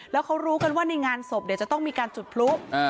แล้วเขารู้กันว่าในงานศพเดี๋ยวจะต้องมีการจุดพลุ